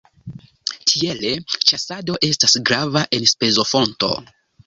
Tiele ĉasado estas grava enspezofonto.